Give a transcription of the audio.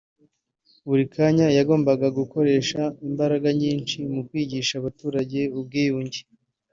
buri kanya yagombagagukoresha imbaraga nyinshi mu kwigisha abaturage ubwiyunge